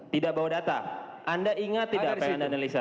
tidak bawa data anda ingat tidak apa yang anda analisa